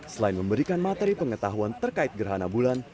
selain memberikan materi pengetahuan terkait gerhana bulan